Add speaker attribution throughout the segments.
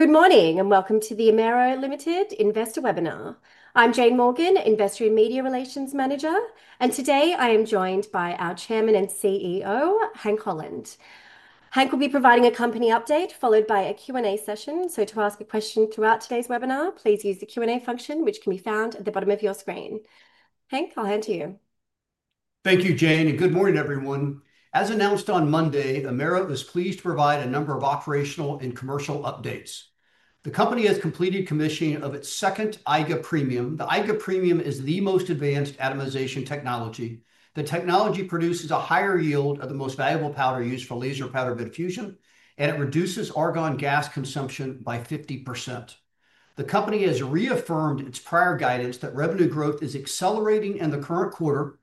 Speaker 1: Good morning and welcome to the Amaero Limited Investor Webinar. I'm Jane Morgan, Investor and Media Relations Manager, and today I am joined by our Chairman and CEO, Hank Holland. Hank will be providing a company update followed by a Q&A session, so to ask a question throughout today's webinar, please use the Q&A function, which can be found at the bottom of your screen. Hank, I'll hand to you.
Speaker 2: Thank you, Jane, and good morning, everyone. As announced on Monday, Amaero is pleased to provide a number of operational and commercial updates. The company has completed commissioning of its second EIGA Premium. The EIGA Premium is the most advanced atomization technology. The technology produces a higher yield of the most valuable powder used for laser powder bed fusion, and it reduces argon gas consumption by 50%. The company has reaffirmed its prior guidance that revenue growth is accelerating in the current quarter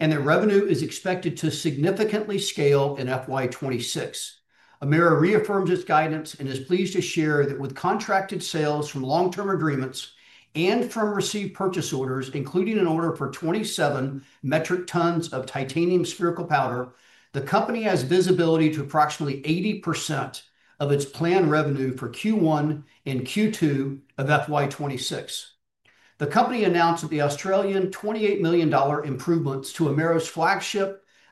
Speaker 2: and that revenue is expected to significantly scale in FY2026. Amaero reaffirms its guidance and is pleased to share that with contracted sales from long-term agreements and from received purchase orders, including an order for 27 metric tons of titanium spherical powder, the company has visibility to approximately 80% of its planned revenue for Q1 and Q2 of FY2026. The company announced that the 28 million Australian dollars improvements to Amaero's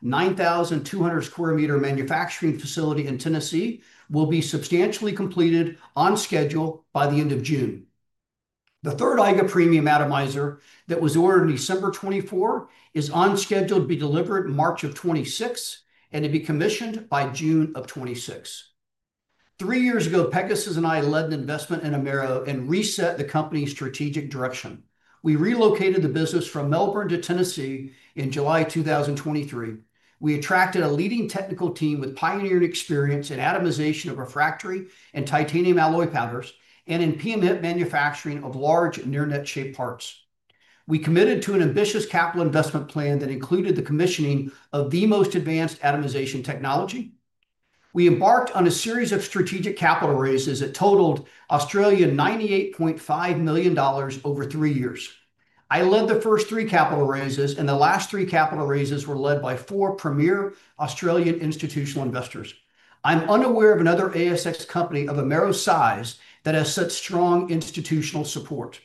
Speaker 2: flagship 9,200 square meter manufacturing facility in Tennessee will be substantially completed on schedule by the end of June. The third EIGA Premium atomizer that was ordered in December 2024 is on schedule to be delivered March of 2026, and it will be commissioned by June of 2026. Three years ago, Pegasus and I led an investment in Amaero and reset the company's strategic direction. We relocated the business from Melbourne to Tennessee in July 2023. We attracted a leading technical team with pioneering experience in atomization of refractory and titanium alloy powders and in PM-HIP manufacturing of large near-net-shape parts. We committed to an ambitious capital investment plan that included the commissioning of the most advanced atomization technology. We embarked on a series of strategic capital raises that totaled 98.5 million dollars over three years. I led the first three capital raises, and the last three capital raises were led by four premier Australian institutional investors. I'm unaware of another ASX company of Amaero's size that has such strong institutional support.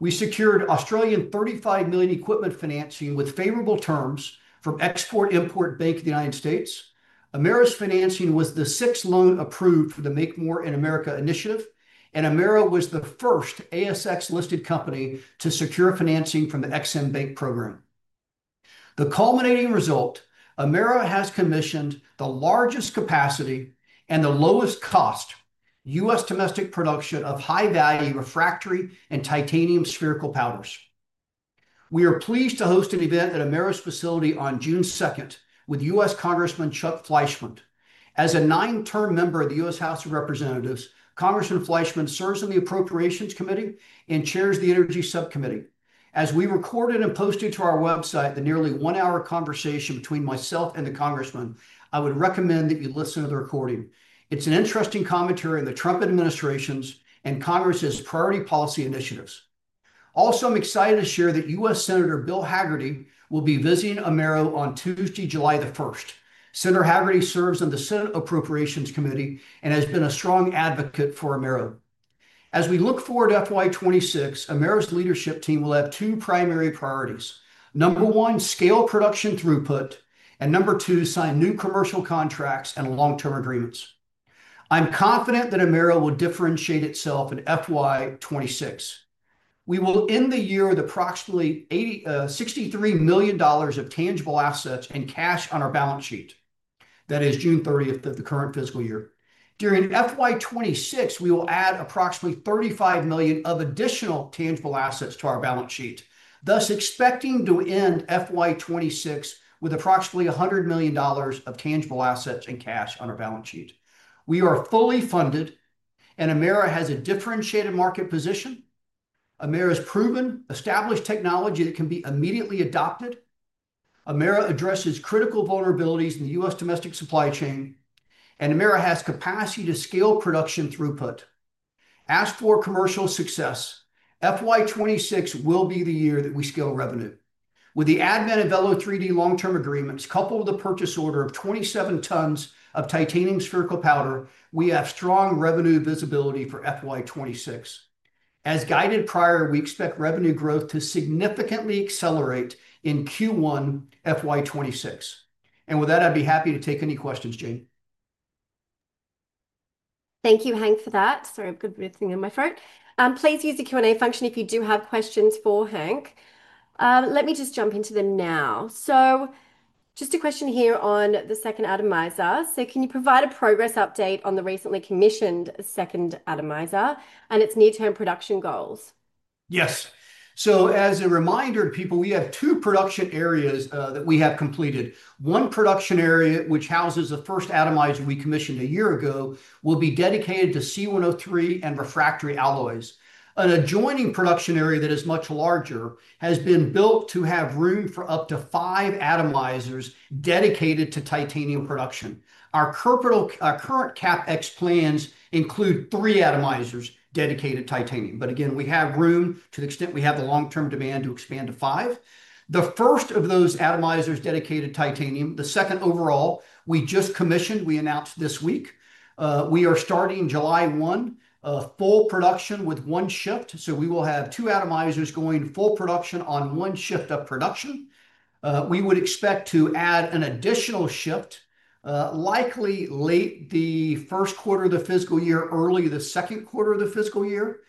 Speaker 2: We secured 35 million equipment financing with favorable terms from Export-Import Bank of the United States. Amaero's financing was the sixth loan approved for the Make More in America initiative, and Amaero was the first ASX-listed company to secure financing from the EXIM Bank program. The culminating result: Amaero has commissioned the largest capacity and the lowest cost U.S. domestic production of high-value refractory and titanium spherical powders. We are pleased to host an event at Amaero's facility on June 2nd with U.S. Congressman Chuck Fleischmann. As a nine-term member of the U.S. House of Representatives, Congressman Fleischmann serves on the Appropriations Committee and chairs the Energy Subcommittee. As we recorded and posted to our website the nearly one-hour conversation between myself and the Congressman, I would recommend that you listen to the recording. It's an interesting commentary on the Trump administration's and Congress's priority policy initiatives. Also, I'm excited to share that U.S. Senator Bill Hagerty will be visiting Amaero on Tuesday, July the 1st. Senator Hagerty serves on the Senate Appropriations Committee and has been a strong advocate for Amaero. As we look forward to FY2026, Amaero's leadership team will have two primary priorities: number one, scale production throughput, and number two, sign new commercial contracts and long-term agreements. I'm confident that Amaero will differentiate itself in FY2026. We will end the year with approximately 63 million dollars of tangible assets and cash on our balance sheet. That is June 30th of the current fiscal year. During FY2026, we will add approximately 35 million of additional tangible assets to our balance sheet, thus expecting to end FY2026 with approximately 100 million dollars of tangible assets and cash on our balance sheet. We are fully funded, and Amaero has a differentiated market position. Amaero has proven established technology that can be immediately adopted. Amaero addresses critical vulnerabilities in the U.S. domestic supply chain, and Amaero has capacity to scale production throughput. As for commercial success, FY2026 will be the year that we scale revenue. With the advent of Velo3D long-term agreements coupled with the purchase order of 27 tons of titanium spherical powder, we have strong revenue visibility for FY2026. As guided prior, we expect revenue growth to significantly accelerate in Q1 FY2026. With that, I'd be happy to take any questions, Jane.
Speaker 1: Thank you, Hank, for that. Sorry, I've got breathing in my throat. Please use the Q&A function if you do have questions for Hank. Let me just jump into them now. Just a question here on the second atomizer. Can you provide a progress update on the recently commissioned second atomizer and its near-term production goals?
Speaker 2: Yes. As a reminder to people, we have two production areas that we have completed. One production area, which houses the first atomizer we commissioned a year ago, will be dedicated to C-103 and refractory alloys. An adjoining production area that is much larger has been built to have room for up to five atomizers dedicated to titanium production. Our current CapEx plans include three atomizers dedicated to titanium. Again, we have room to the extent we have the long-term demand to expand to five. The first of those atomizers dedicated to titanium, the second overall, we just commissioned, we announced this week. We are starting July 1, full production with one shift. We will have two atomizers going full production on one shift of production. We would expect to add an additional shift, likely late the first quarter of the fiscal year, early the second quarter of the fiscal year.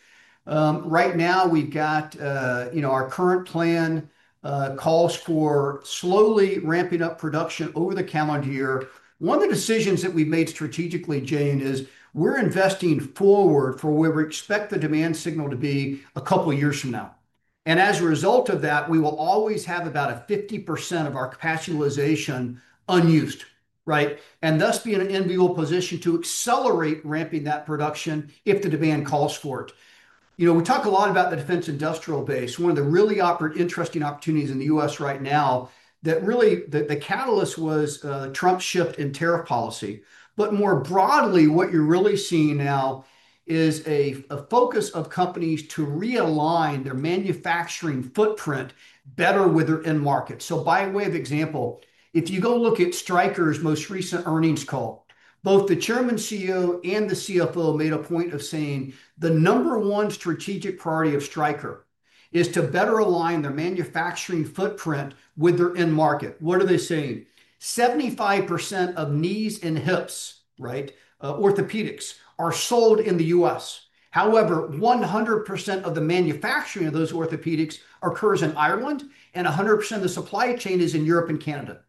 Speaker 2: Right now, we've got, you know, our current plan calls for slowly ramping up production over the calendar year. One of the decisions that we've made strategically, Jane, is we're investing forward for where we expect the demand signal to be a couple of years from now. As a result of that, we will always have about 50% of our capitalization unused, right? Thus be in an invisible position to accelerate ramping that production if the demand calls for it. You know, we talk a lot about the defense industrial base, one of the really interesting opportunities in the U.S. right now that really the catalyst was Trump's shift in tariff policy. More broadly, what you're really seeing now is a focus of companies to realign their manufacturing footprint better with their end market. By way of example, if you go look at Stryker's most recent earnings call, both the Chairman, CEO, and the CFO made a point of saying the number one strategic priority of Stryker is to better align their manufacturing footprint with their end market. What are they saying? 75% of knees and hips, right, orthopedics are sold in the U.S. However, 100% of the manufacturing of those orthopedics occurs in Ireland, and 100% of the supply chain is in Europe and Canada.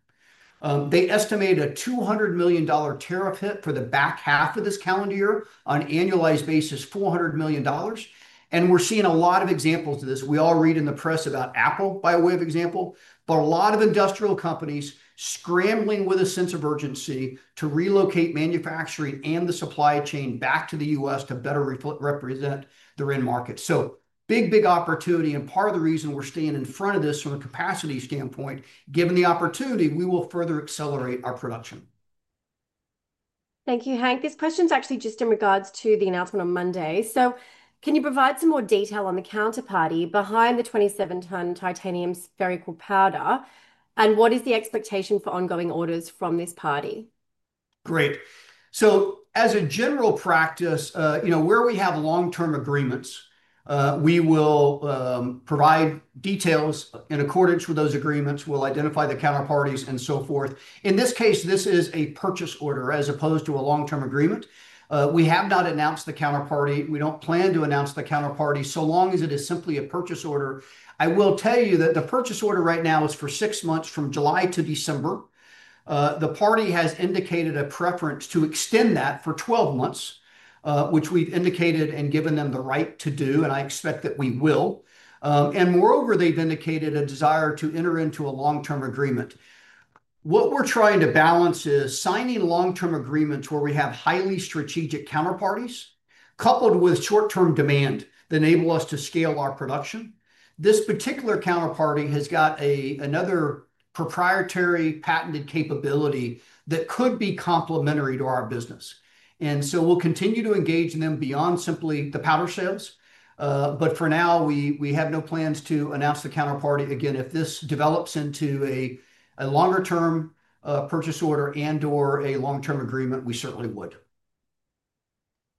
Speaker 2: They estimate a 200 million dollar tariff hit for the back half of this calendar year on an annualized basis, 400 million dollars. We're seeing a lot of examples of this. We all read in the press about Apple, by way of example, but a lot of industrial companies scrambling with a sense of urgency to relocate manufacturing and the supply chain back to the U.S. to better represent their end market. Big, big opportunity. Part of the reason we're staying in front of this from a capacity standpoint, given the opportunity, we will further accelerate our production.
Speaker 1: Thank you, Hank. This question is actually just in regards to the announcement on Monday. Can you provide some more detail on the counterparty behind the 27-ton titanium spherical powder? What is the expectation for ongoing orders from this party?
Speaker 2: Great. As a general practice, you know, where we have long-term agreements, we will provide details in accordance with those agreements. We'll identify the counterparties and so forth. In this case, this is a purchase order as opposed to a long-term agreement. We have not announced the counterparty. We don't plan to announce the counterparty so long as it is simply a purchase order. I will tell you that the purchase order right now is for six months from July to December. The party has indicated a preference to extend that for 12 months, which we've indicated and given them the right to do, and I expect that we will. Moreover, they've indicated a desire to enter into a long-term agreement. What we're trying to balance is signing long-term agreements where we have highly strategic counterparties coupled with short-term demand that enable us to scale our production. This particular counterparty has got another proprietary patented capability that could be complementary to our business. We will continue to engage them beyond simply the powder sales. For now, we have no plans to announce the counterparty. If this develops into a longer-term purchase order and/or a long-term agreement, we certainly would.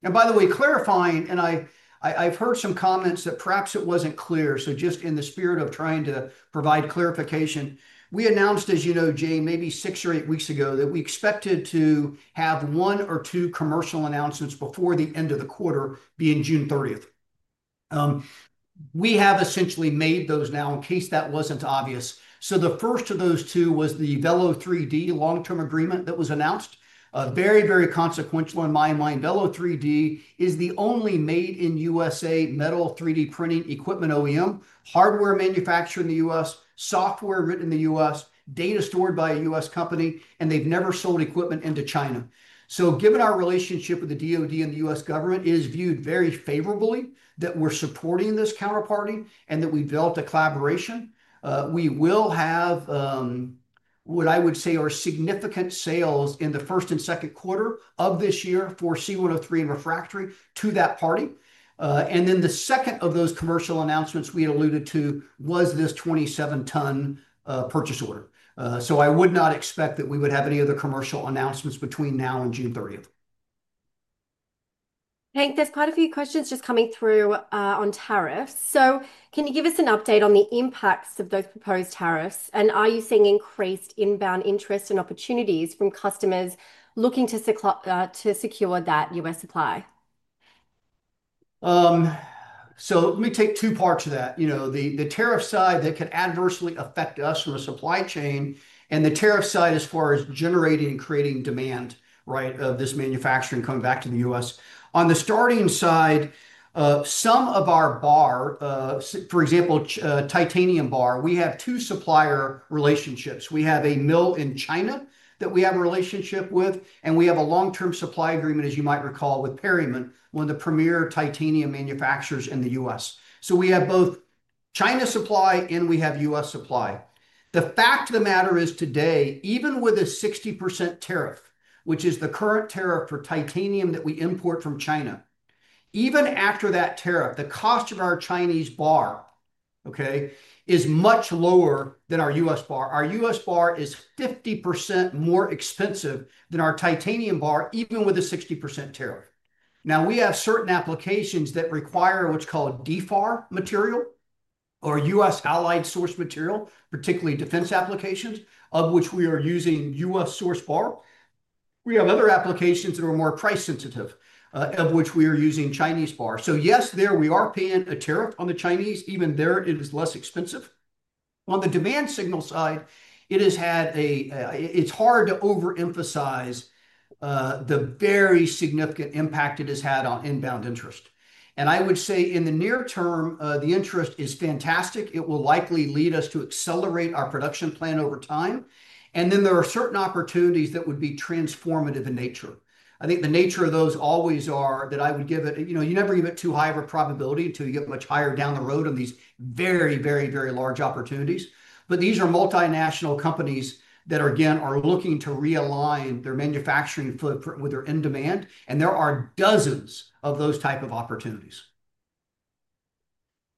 Speaker 2: By the way, clarifying, and I have heard some comments that perhaps it was not clear. In the spirit of trying to provide clarification, we announced, as you know, Jane, maybe six or eight weeks ago that we expected to have one or two commercial announcements before the end of the quarter being June 30. We have essentially made those now in case that was not obvious. The first of those two was the Velo3D long-term agreement that was announced. Very, very consequential in my mind. Velo3D is the only made-in-USA metal 3D printing equipment OEM, hardware manufactured in the US, software written in the US, data stored by a US company, and they've never sold equipment into China. Given our relationship with the DOD and the U.S. government, it is viewed very favorably that we're supporting this counterparty and that we've developed a collaboration. We will have what I would say are significant sales in the first and second quarter of this year for C-103 and refractory to that party. The second of those commercial announcements we had alluded to was this 27-ton purchase order. I would not expect that we would have any other commercial announcements between now and June 30.
Speaker 1: Hank, there's quite a few questions just coming through on tariffs. Can you give us an update on the impacts of those proposed tariffs? Are you seeing increased inbound interest and opportunities from customers looking to secure that U.S. supply?
Speaker 2: Let me take two parts of that. You know, the tariff side that can adversely affect us from a supply chain and the tariff side as far as generating and creating demand, right, of this manufacturing coming back to the U.S. On the starting side, some of our bar, for example, titanium bar, we have two supplier relationships. We have a mill in China that we have a relationship with, and we have a long-term supply agreement, as you might recall, with Perryman, one of the premier titanium manufacturers in the U.S. We have both China supply and we have U.S. supply. The fact of the matter is today, even with a 60% tariff, which is the current tariff for titanium that we import from China, even after that tariff, the cost of our Chinese bar, okay, is much lower than our U.S. bar. Our U.S. Bar is 50% more expensive than our titanium bar, even with a 60% tariff. Now, we have certain applications that require what's called DFARS material or U.S. allied source material, particularly defense applications, of which we are using U.S. source bar. We have other applications that are more price sensitive, of which we are using Chinese bar. Yes, there we are paying a tariff on the Chinese. Even there, it is less expensive. On the demand signal side, it has had a, it's hard to overemphasize the very significant impact it has had on inbound interest. I would say in the near term, the interest is fantastic. It will likely lead us to accelerate our production plan over time. There are certain opportunities that would be transformative in nature. I think the nature of those always are that I would give it, you know, you never give it too high of a probability until you get much higher down the road on these very, very, very large opportunities. These are multinational companies that are, again, looking to realign their manufacturing footprint with their end demand. There are dozens of those types of opportunities.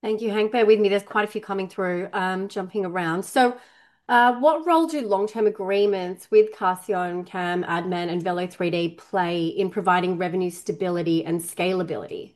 Speaker 1: Thank you, Hank. With me, there's quite a few coming through, jumping around. What role do long-term agreements with Castheon and CAM, ADDMAN, and Velo3D play in providing revenue stability and scalability?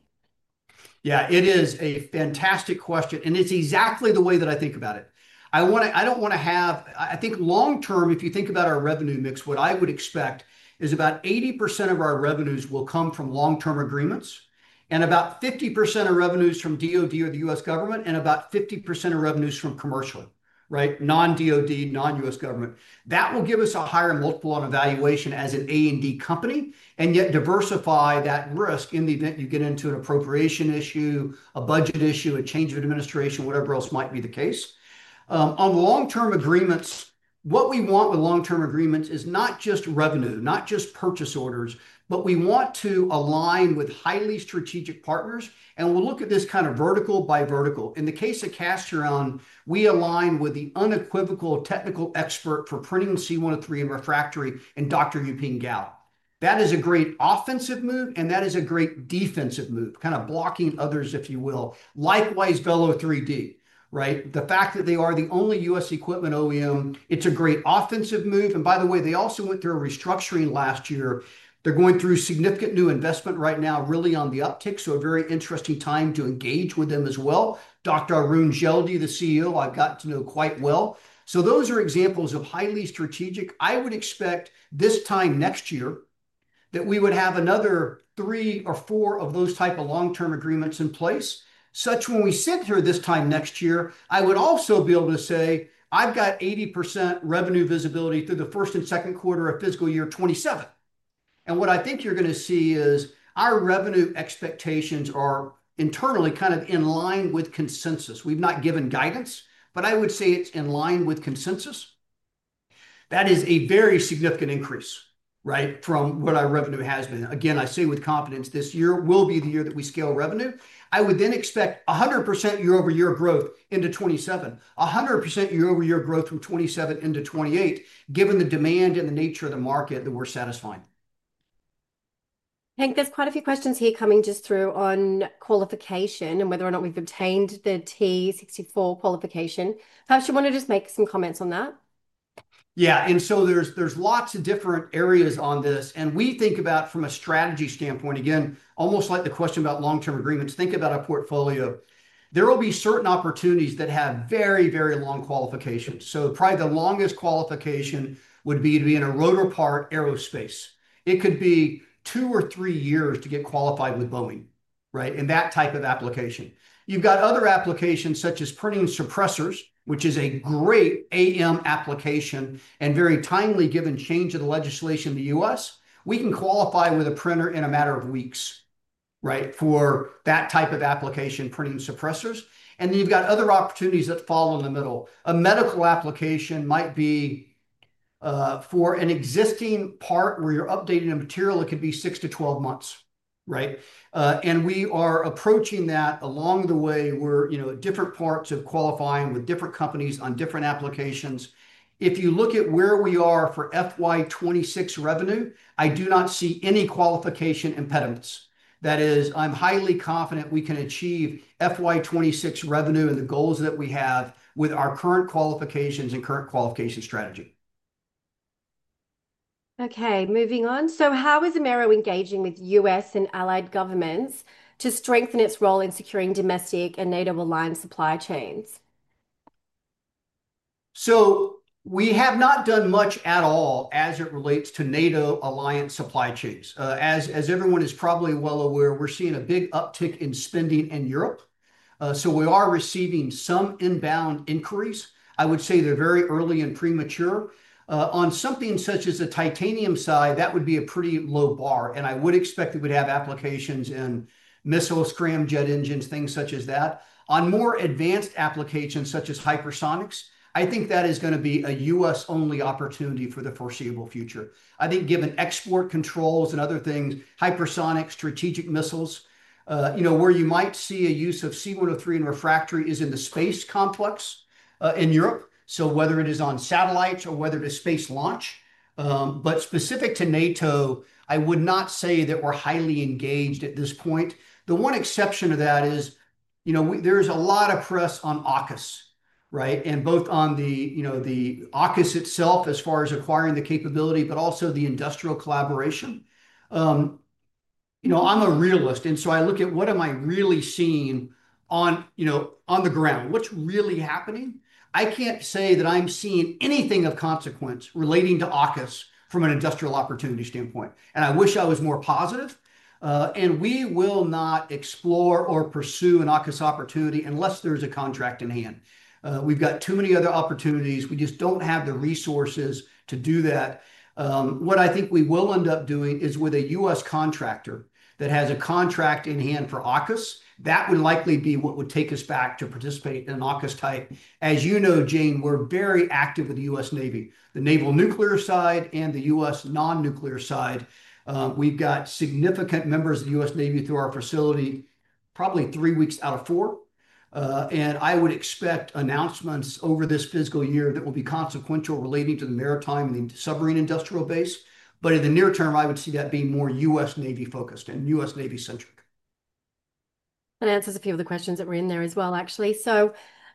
Speaker 2: Yeah, it is a fantastic question. It is exactly the way that I think about it. I want to, I do not want to have, I think long-term, if you think about our revenue mix, what I would expect is about 80% of our revenues will come from long-term agreements and about 50% of revenues from DOD or the U.S. government and about 50% of revenues from commercial, right? Non-DOD, non-U.S. government. That will give us a higher multiple on evaluation as an A&D company and yet diversify that risk in the event you get into an appropriation issue, a budget issue, a change of administration, whatever else might be the case. On long-term agreements, what we want with long-term agreements is not just revenue, not just purchase orders, but we want to align with highly strategic partners. We will look at this kind of vertical by vertical. In the case of Castheon, we align with the unequivocal technical expert for printing C-103 and refractory and Dr. Yuping Gao. That is a great offensive move, and that is a great defensive move, kind of blocking others, if you will. Likewise, Velo3D, right? The fact that they are the only U.S. equipment OEM, it's a great offensive move. By the way, they also went through a restructuring last year. They are going through significant new investment right now, really on the uptick. A very interesting time to engage with them as well. Dr. Arun Jeldi, the CEO, I've gotten to know quite well. Those are examples of highly strategic. I would expect this time next year that we would have another three or four of those types of long-term agreements in place. Such when we sit here this time next year, I would also be able to say, I've got 80% revenue visibility through the first and second quarter of fiscal year 2027. And what I think you're going to see is our revenue expectations are internally kind of in line with consensus. We've not given guidance, but I would say it's in line with consensus. That is a very significant increase, right, from what our revenue has been. Again, I say with confidence this year will be the year that we scale revenue. I would then expect 100% year-over-year growth into 2027, 100% year-over-year growth from 2027 into 2028, given the demand and the nature of the market that we're satisfying.
Speaker 1: Hank, there's quite a few questions here coming just through on qualification and whether or not we've obtained the Ti64 qualification. Perhaps you want to just make some comments on that?
Speaker 2: Yeah. There are lots of different areas on this. We think about, from a strategy standpoint, again, almost like the question about long-term agreements, think about a portfolio. There will be certain opportunities that have very, very long qualifications. Probably the longest qualification would be to be in a rotor part aerospace. It could be two or three years to get qualified with Boeing, right? In that type of application. You have other applications such as printing suppressors, which is a great AM application and very timely given change of the legislation in the U.S. We can qualify with a printer in a matter of weeks, right, for that type of application, printing suppressors. Then you have other opportunities that fall in the middle. A medical application might be for an existing part where you are updating a material. It could be six-12 months, right? We are approaching that along the way where, you know, different parts of qualifying with different companies on different applications. If you look at where we are for FY2026 revenue, I do not see any qualification impediments. That is, I'm highly confident we can achieve FY2026 revenue and the goals that we have with our current qualifications and current qualification strategy.
Speaker 1: Okay. Moving on. How is Amaero engaging with U.S. and allied governments to strengthen its role in securing domestic and NATO-aligned supply chains?
Speaker 2: We have not done much at all as it relates to NATO-aligned supply chains. As everyone is probably well aware, we're seeing a big uptick in spending in Europe. We are receiving some inbound inquiries. I would say they're very early and premature. On something such as the titanium side, that would be a pretty low bar. I would expect it would have applications in missile scramjet engines, things such as that. On more advanced applications such as hypersonics, I think that is going to be a U.S.-only opportunity for the foreseeable future. I think given export controls and other things, hypersonics, strategic missiles, you know, where you might see a use of C-103 and refractory is in the space complex in Europe. Whether it is on satellites or whether it is space launch. Specific to NATO, I would not say that we're highly engaged at this point. The one exception to that is, you know, there's a lot of press on AUKUS, right? And both on the, you know, the AUKUS itself as far as acquiring the capability, but also the industrial collaboration. You know, I'm a realist. And so I look at what am I really seeing on, you know, on the ground, what's really happening. I can't say that I'm seeing anything of consequence relating to AUKUS from an industrial opportunity standpoint. I wish I was more positive. We will not explore or pursue an AUKUS opportunity unless there's a contract in hand. We've got too many other opportunities. We just don't have the resources to do that. What I think we will end up doing is with a U.S. contractor that has a contract in hand for AUKUS, that would likely be what would take us back to participate in an AUKUS type. As you know, Jane, we're very active with the U.S. Navy, the naval nuclear side and the U.S. non-nuclear side. We've got significant members of the U.S. Navy through our facility, probably three weeks out of four. I would expect announcements over this fiscal year that will be consequential relating to the maritime and the submarine industrial base. In the near term, I would see that being more U.S. Navy focused and U.S. Navy centric.
Speaker 1: That answers a few of the questions that were in there as well, actually.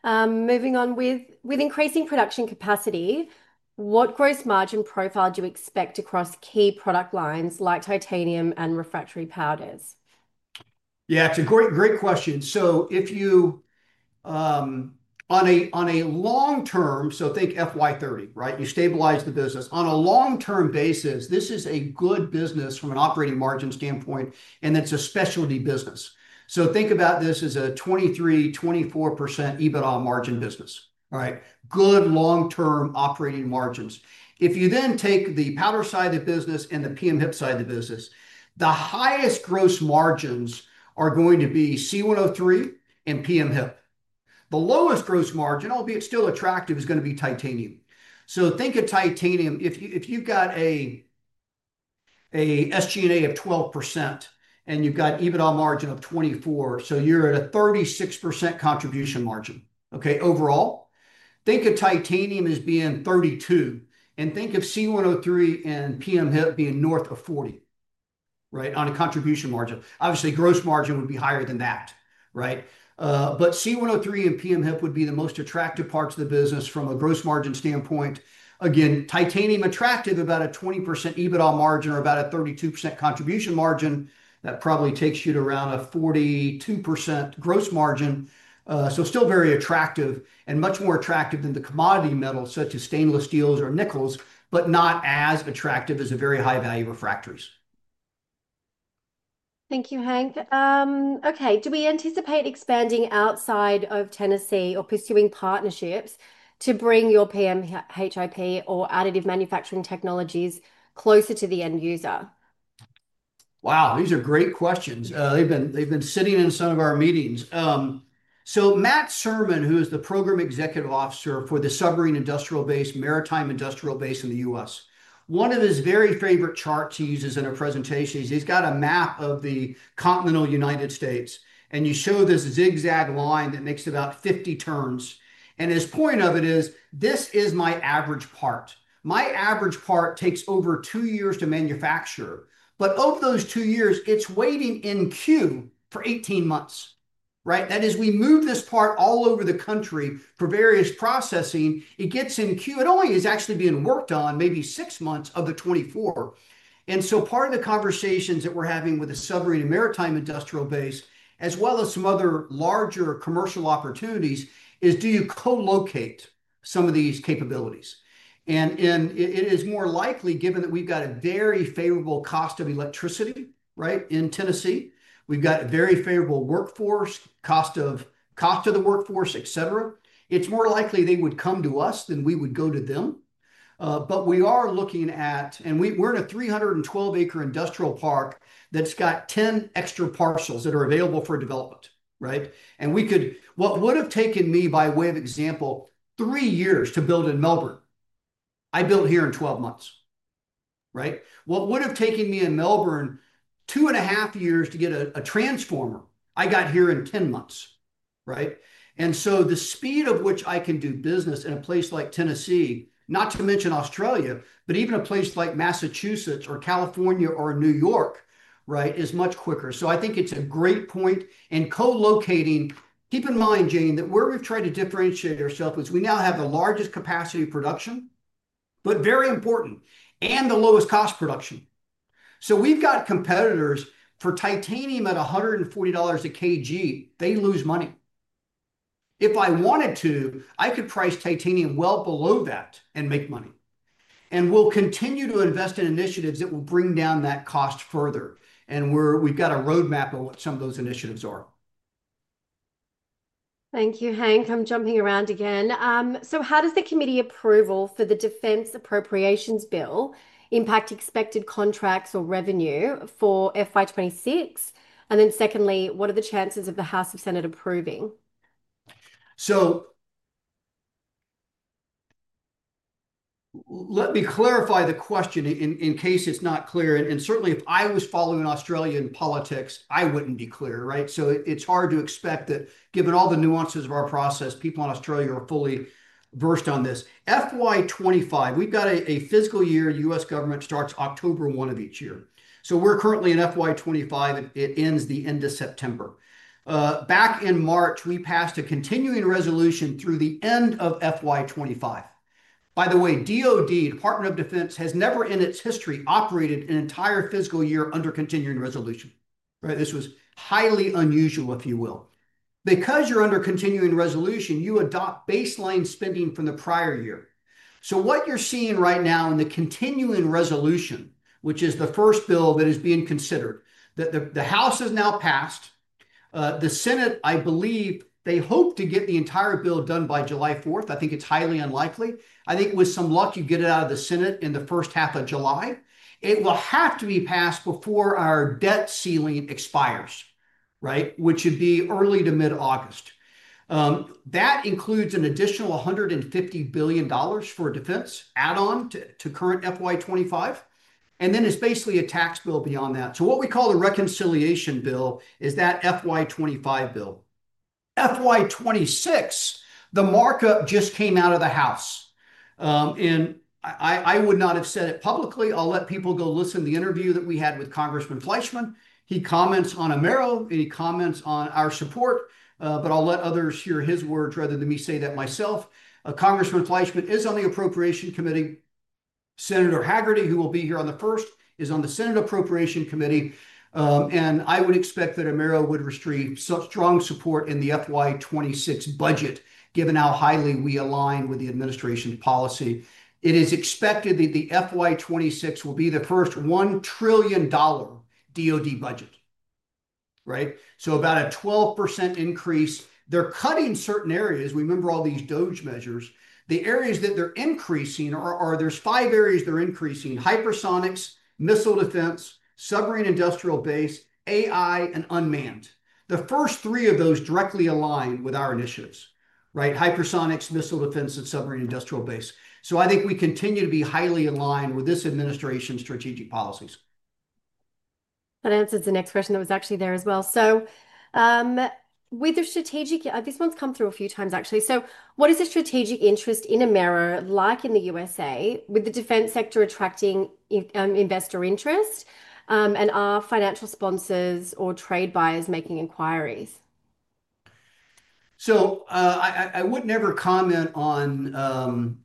Speaker 1: Moving on with increasing production capacity, what gross margin profile do you expect across key product lines like titanium and refractory powders?
Speaker 2: Yeah, it's a great, great question. If you, on a long term, so think FY2030, right? You stabilize the business. On a long-term basis, this is a good business from an operating margin standpoint, and it's a specialty business. Think about this as a 23%-24% EBITDA margin business, all right? Good long-term operating margins. If you then take the powder side of the business and the PM-HIP side of the business, the highest gross margins are going to be C-103 and PM-HIP. The lowest gross margin, albeit still attractive, is going to be titanium. Think of titanium. If you've got an SG&A of 12% and you've got EBITDA margin of 24%, so you're at a 36% contribution margin, okay, overall. Think of titanium as being 32% and think of C-103 and PM-HIP being north of 40%, right, on a contribution margin. Obviously, gross margin would be higher than that, right? But C-103 and PM-HIP would be the most attractive parts of the business from a gross margin standpoint. Again, titanium attractive, about a 20% EBITDA margin or about a 32% contribution margin. That probably takes you to around a 42% gross margin. Still very attractive and much more attractive than the commodity metals such as stainless steels or nickels, but not as attractive as a very high value refractories.
Speaker 1: Thank you, Hank. Okay. Do we anticipate expanding outside of Tennessee or pursuing partnerships to bring your PM-HIP or additive manufacturing technologies closer to the end user?
Speaker 2: Wow, these are great questions. They've been sitting in some of our meetings. Matt Serman, who is the Program Executive Officer for the submarine industrial base, maritime industrial base in the U.S., one of his very favorite charts he uses in a presentation is he's got a map of the continental United States. You show this zigzag line that makes about 50 turns. His point of it is, this is my average part. My average part takes over two years to manufacture. Over those two years, it's waiting in queue for 18 months, right? That is, we move this part all over the country for various processing. It gets in queue. It only is actually being worked on maybe six months of the 24. Part of the conversations that we're having with the submarine and maritime industrial base, as well as some other larger commercial opportunities, is do you co-locate some of these capabilities? It is more likely, given that we've got a very favorable cost of electricity in Tennessee, we've got a very favorable workforce, cost of the workforce, et cetera. It's more likely they would come to us than we would go to them. We are looking at, and we're in a 312-acre industrial park that's got 10 extra parcels that are available for development. We could, what would have taken me, by way of example, three years to build in Melbourne, I built here in 12 months. What would have taken me in Melbourne two and a half years to get a transformer, I got here in 10 months. The speed at which I can do business in a place like Tennessee, not to mention Australia, but even a place like Massachusetts or California or New York, right, is much quicker. I think it's a great point. Co-locating, keep in mind, Jane, that where we've tried to differentiate ourselves is we now have the largest capacity of production, but very important, and the lowest cost production. We've got competitors for titanium at 140 dollars a kg; they lose money. If I wanted to, I could price titanium well below that and make money. We'll continue to invest in initiatives that will bring down that cost further. We've got a roadmap of what some of those initiatives are.
Speaker 1: Thank you, Hank. I'm jumping around again. How does the committee approval for the defense appropriations bill impact expected contracts or revenue for FY2026? Secondly, what are the chances of the House or Senate approving?
Speaker 2: Let me clarify the question in case it's not clear. Certainly, if I was following Australian politics, I wouldn't be clear, right? It's hard to expect that given all the nuances of our process, people in Australia are fully versed on this. FY202025, we've got a fiscal year; U.S. government starts October 1 of each year. We're currently in FY25; it ends the end of September. Back in March, we passed a continuing resolution through the end of FY2025. By the way, DOD, Department of Defense, has never in its history operated an entire fiscal year under continuing resolution, right? This was highly unusual, if you will. Because you're under continuing resolution, you adopt baseline spending from the prior year. What you're seeing right now in the continuing resolution, which is the first bill that is being considered, that the House has now passed, the Senate, I believe they hope to get the entire bill done by July 4th. I think it's highly unlikely. I think with some luck, you get it out of the Senate in the first half of July. It will have to be passed before our debt ceiling expires, right? Which would be early to mid-August. That includes an additional 150 billion dollars for defense add-on to current FY2025. Then it's basically a tax bill beyond that. What we call the reconciliation bill is that FY2025 bill. FY2026, the markup just came out of the House. I would not have said it publicly. I'll let people go listen to the interview that we had with Congressman Fleischmann. He comments on Amaero and he comments on our support, but I'll let others hear his words rather than me say that myself. Congressman Fleischmann is on the Appropriations Committee. Senator Hagerty, who will be here on the 1st, is on the Senate Appropriations Committee. I would expect that Amaero would restore strong support in the FY26 budget, given how highly we align with the administration policy. It is expected that the FY2026 will be the first 1 trillion dollar DOD budget, right? About a 12% increase. They're cutting certain areas. We remember all these DOGE measures. The areas that they're increasing are, there's five areas they're increasing: hypersonics, missile defense, submarine industrial base, AI, and unmanned. The first three of those directly align with our initiatives, right? Hypersonics, missile defense, and submarine industrial base. I think we continue to be highly aligned with this administration's strategic policies.
Speaker 1: That answers the next question that was actually there as well. With the strategic, these ones come through a few times, actually. What is the strategic interest in Amaero like in the USA, with the defense sector attracting investor interest and are financial sponsors or trade buyers making inquiries?
Speaker 2: I would never comment on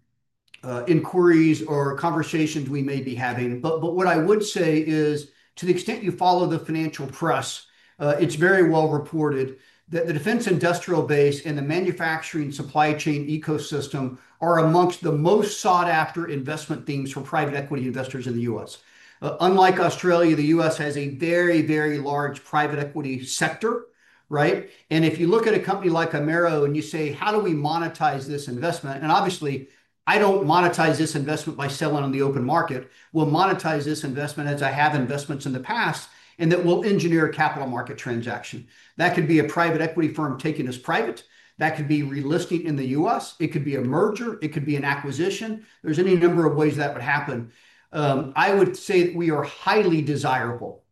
Speaker 2: inquiries or conversations we may be having. What I would say is, to the extent you follow the financial press, it's very well reported that the defense industrial base and the manufacturing supply chain ecosystem are amongst the most sought-after investment themes for private equity investors in the US. Unlike Australia, the U.S. has a very, very large private equity sector, right? If you look at a company like Amaero and you say, how do we monetize this investment? Obviously, I don't monetize this investment by selling on the open market. We'll monetize this investment as I have investments in the past, and that will engineer a capital market transaction. That could be a private equity firm taking us private. That could be relisting in the U.S. It could be a merger. It could be an acquisition. There's any number of ways that would happen. I would say that we are highly desirable,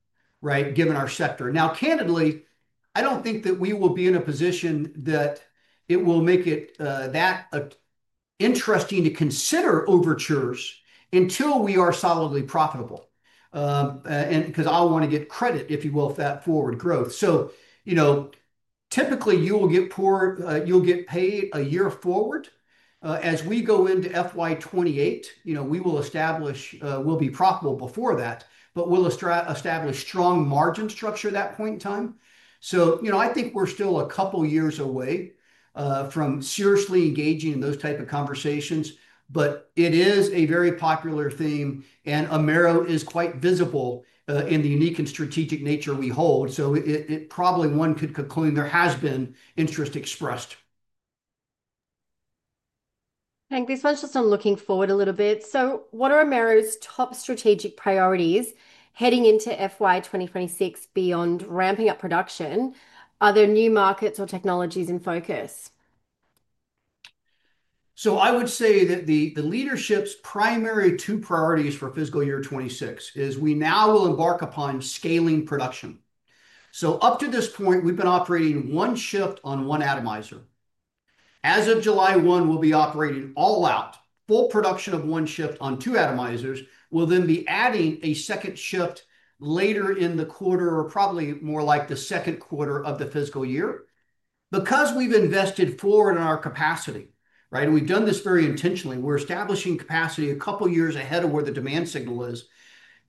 Speaker 2: right, given our sector. Now, candidly, I do not think that we will be in a position that it will make it that interesting to consider overtures until we are solidly profitable. Because I want to get credit, if you will, for that forward growth. You know, typically you will get paid a year forward. As we go into FY2028, you know, we will establish, we will be profitable before that, but we will establish strong margin structure at that point in time. You know, I think we are still a couple of years away from seriously engaging in those types of conversations. It is a very popular theme, and Amaero is quite visible in the unique and strategic nature we hold. It probably, one could conclude, there has been interest expressed.
Speaker 1: Hank, this one's just on looking forward a little bit. What are Amaero's top strategic priorities heading into FY2026 beyond ramping up production? Are there new markets or technologies in focus?
Speaker 2: I would say that the leadership's primary two priorities for fiscal year 2026 is we now will embark upon scaling production. Up to this point, we've been operating one shift on one atomizer. As of July 1, we'll be operating all out, full production of one shift on two atomizers. We'll then be adding a second shift later in the quarter, or probably more like the second quarter of the fiscal year. Because we've invested forward in our capacity, right? We've done this very intentionally. We're establishing capacity a couple of years ahead of where the demand signal is.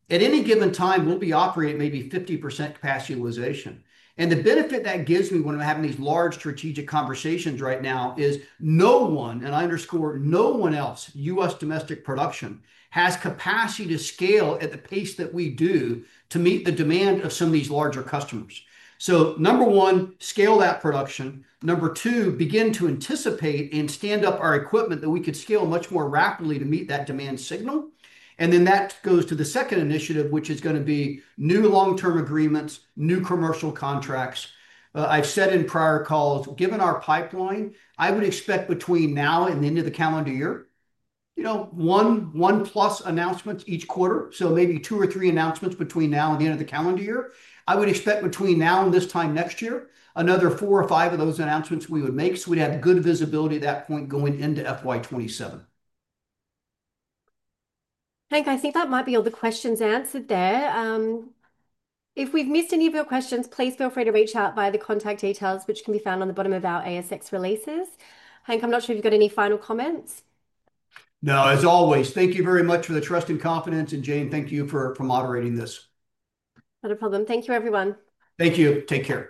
Speaker 2: At any given time, we'll be operating at maybe 50% capacity utilization. The benefit that gives me when I'm having these large strategic conversations right now is no one, and I underscore no one else, U.S. Domestic production has capacity to scale at the pace that we do to meet the demand of some of these larger customers. Number one, scale that production. Number two, begin to anticipate and stand up our equipment that we could scale much more rapidly to meet that demand signal. That goes to the second initiative, which is going to be new long-term agreements, new commercial contracts. I've said in prior calls, given our pipeline, I would expect between now and the end of the calendar year, you know, one plus announcements each quarter. Maybe two or three announcements between now and the end of the calendar year. I would expect between now and this time next year, another four or five of those announcements we would make. We would have good visibility at that point going into FY2027.
Speaker 1: Hank, I think that might be all the questions answered there. If we've missed any of your questions, please feel free to reach out via the contact details, which can be found on the bottom of our ASX releases. Hank, I'm not sure if you've got any final comments.
Speaker 2: No, as always, thank you very much for the trust and confidence. Jane, thank you for moderating this.
Speaker 1: Not a problem. Thank you, everyone.
Speaker 2: Thank you. Take care.